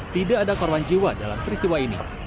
tidak ada korban jiwa dalam peristiwa ini